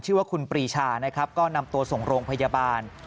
ชื่อว่าคุณปรีชานะครับก็นำตัวส่งโรงพยาบาล